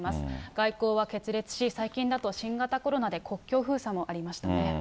外交決裂し、最近だと新型コロナで国境封鎖もありましたね。